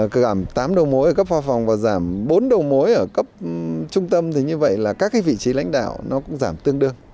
cứ gặm tám đầu mối ở cấp khoa phòng và giảm bốn đầu mối ở cấp trung tâm thì như vậy là các cái vị trí lãnh đạo nó cũng giảm tương đương